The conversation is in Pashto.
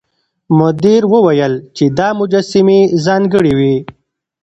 مدیر وویل چې دا مجسمې ځانګړې وې.